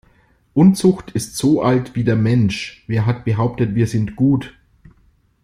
Unzucht ist so alt wie der Mensch - wer hat behauptet wir sind gut?